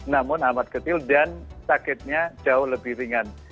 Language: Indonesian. namun amat kecil dan sakitnya jauh lebih ringan